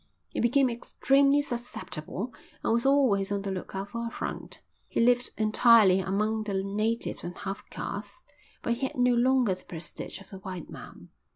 He became extremely susceptible and was always on the lookout for affront. He lived entirely among the natives and half castes, but he had no longer the prestige of the white man.